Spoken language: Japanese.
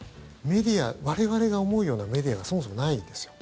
我々が思うようなメディアはそもそもないですよ。